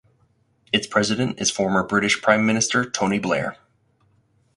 Its president is former British Prime Minister Tony Blair.